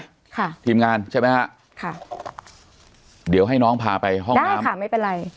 ค่ะทีมงานใช่ไหมฮะค่ะเดี๋ยวให้น้องพาไปห้องน้ำค่ะไม่เป็นไร